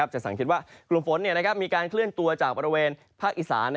จะสังเกตว่ากลุ่มฝนมีการเคลื่อนตัวจากบริเวณภาคอีสาน